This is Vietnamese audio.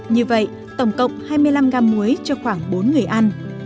như vậy tổng cộng hai mươi năm gam muối cho khoảng bốn người ăn